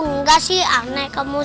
gak sih aneh kamu